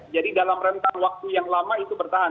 dalam rentang waktu yang lama itu bertahan